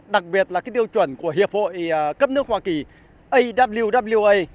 đặc biệt là cái tiêu chuẩn của hiệp hội cấp nước hoa kỳ awar